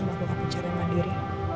melakukan percara mandiri